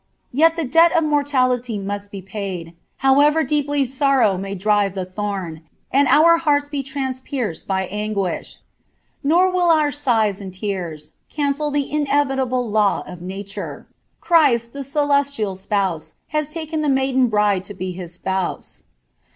Yet the debt of mortalin must be paid, however deeply sorrow may drive lbs ihon)| ami iW hearts be ttvnspierced by anguish. Nor will our sigba and laara catcsi (he inevitable law of nature. Christ, the celestial spouse, boa lakm tbi maiden bride to be his spouse.